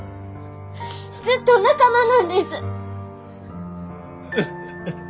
ずっと仲間なんです。